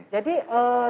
jadi saya pikirkan